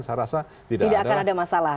saya rasa tidak akan ada masalah